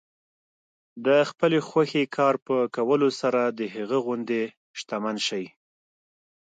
د خپلې خوښې کار په کولو سره د هغه غوندې شتمن شئ.